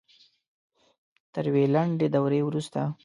تر یوې لنډې دورې وروسته